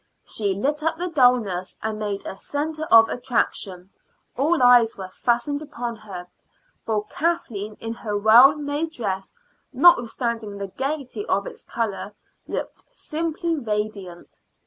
She lit up the dullness and made a centre of attraction all eyes were fastened upon her; for Kathleen in her well made dress, notwithstanding the gayety of its color, looked simply radiant.